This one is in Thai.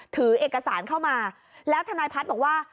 ถือเอกสารเข้ามาแล้วทนายพัฒน์บอกว่า